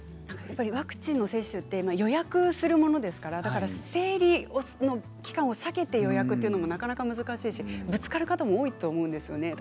ワクチンの接種は予約するものですから生理の期間避けて予約というのもなかなか難しいしぶつかる方も多いと思うんですよね。